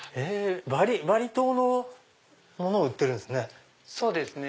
バリ島のものを売ってるんですね。